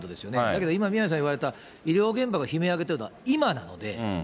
だけど、今、宮根さんが言われた医療現場が悲鳴を上げているのは今なので。